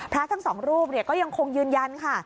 พระทั้ง๒รูปก็ยังคงยืนยันค่ะ